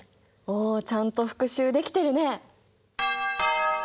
おおちゃんと復習できてるね。